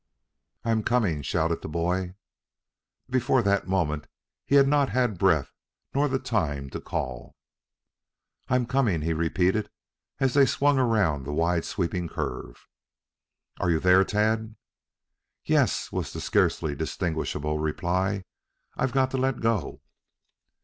"I'm coming!" shouted the boy. Before that moment he had not had breath nor the time to call. "I'm coming!" he repeated, as they swung around the wide sweeping curve. "Are you there, Tad?" "Yes," was the scarcely distinguishable reply. "I've got to let go."